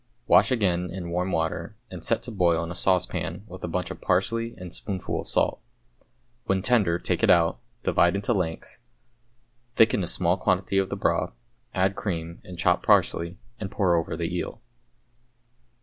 Wash again in warm water, and set to boil in a saucepan with a bunch of parsley and spoonful of salt. When tender take it out, divide into lengths, thicken a small quantity of the broth, add cream and chopped parsley, and pour over the eel.